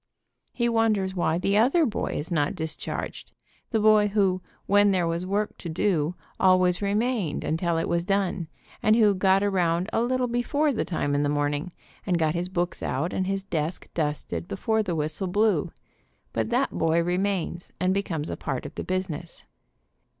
He wonders why the other boy is not discharged, the boy who, when there was work to do, always remained until it was done, and who got around a little before the time in the morning, and got his books out, and his desk dusted before the whistle blew, but that boy remains, and becomes a part of the business.